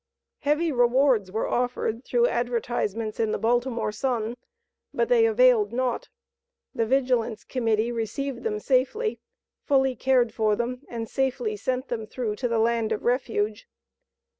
Heavy rewards were offered through advertisements in the Baltimore Sun, but they availed naught. The Vigilance Committee received them safely, fully cared for them, and safely sent them through to the land of refuge.